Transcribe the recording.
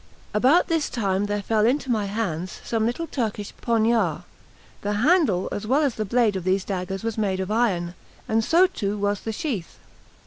About this time there fell into my hands some little Turkish poniards; the handle as well as the blade of these daggers was made of iron, and so too was the sheath.